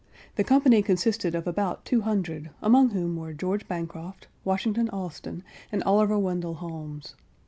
The company consisted of about two hundred, among whom were George Bancroft, Washington Allston, and Oliver Wendell Holmes.